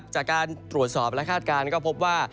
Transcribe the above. จากการตรวจสอบและคาดการณ์ก็พบว่า